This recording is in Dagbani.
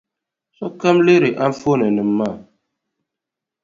Sokam lihiri anfooninima maa.